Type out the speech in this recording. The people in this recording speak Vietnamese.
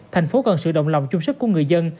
thành phố cần sự đồng lòng chung sức của người dân